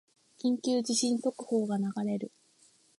緊急地震速報が流れる